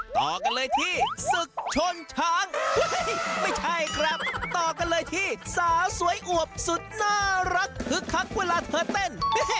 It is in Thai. ต่อกันเลยที่ศึกชนช้างไม่ใช่ครับต่อกันเลยที่สาวสวยอวบสุดน่ารักคึกคักเวลาเธอเต้น